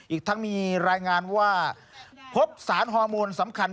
อีกทั้งมีรายงานว่าพบสารฮอร์โมนสำคัญ